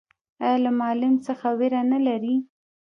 ایا له معلم څخه ویره نلري؟